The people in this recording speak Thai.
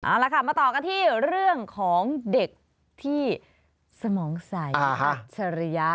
เอาละค่ะมาต่อกันที่เรื่องของเด็กที่สมองใส